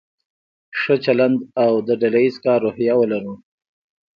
ښه چلند او د ډله ایز کار روحیه ولرو.